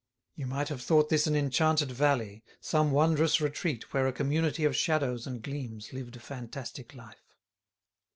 You might have thought this an enchanted valley, some wondrous retreat where a community of shadows and gleams lived a fantastic life.